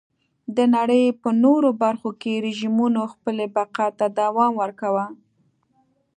د نړۍ په نورو برخو کې رژیمونو خپلې بقا ته دوام ورکاوه.